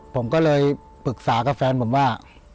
ผมก็เลยปรึกษากับแฟนผมว่า